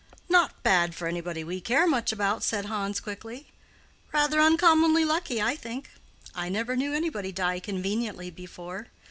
"Not bad for anybody we care much about," said Hans, quickly; "rather uncommonly lucky, I think. I never knew anybody die conveniently before.